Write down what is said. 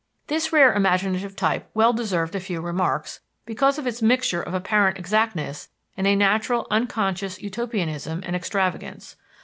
This rare imaginative type well deserved a few remarks, because of its mixture of apparent exactness and a natural, unconscious utopianism and extravagance.